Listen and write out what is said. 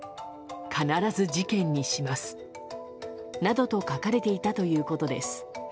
「必ず事件にします」などと書かれていたということです。